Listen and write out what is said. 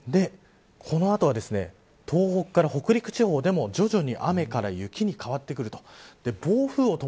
この後は東北から北陸地方でも徐々に雨から雪に変わってくると。